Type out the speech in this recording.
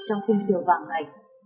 trong khung sửa vạn này